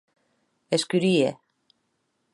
Escurie.